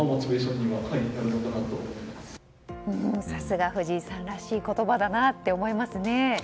さすが藤井さんらしい言葉だなって思いますね。